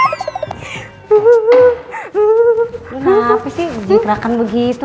lu kenapa sih dikerahkan begitu